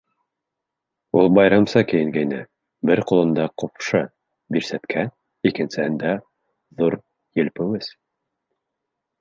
Ул байрамса кейенгәйне, бер ҡулында ҡупшы бирсәткә, икенсеһендә — ҙур елпеүес.